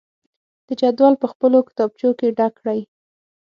د جدول په خپلو کتابچو کې ډک کړئ.